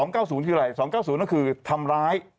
๙๐คืออะไร๒๙๐ก็คือทำร้าย